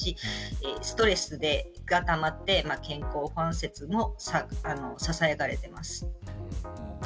ストレスがたまって健康不安説もささやかれています。